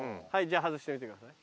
じゃあ外してみてください。